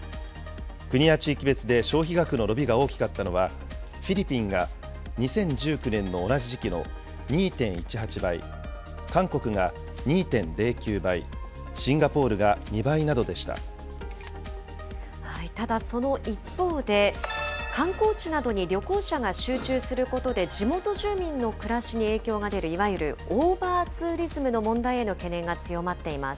国や地域別で消費額の伸びが大きかったのは、フィリピンが２０１９年の同じ時期の２．１８倍、韓国が２．０９倍、シンガポールがただ、その一方で、観光地などに旅行者が集中することで地元住民の暮らしに影響が出る、いわゆるオーバーツーリズムの問題への懸念が強まっています。